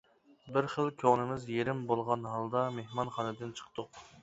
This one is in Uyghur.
بىر خىل كۆڭلىمىز يېرىم بولغان ھالدا مېھمانخانىدىن چىقتۇق.